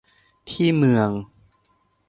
ที่เมือง